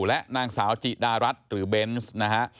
และนางสาวจิดารัฐหรือเบนส์นะฮะ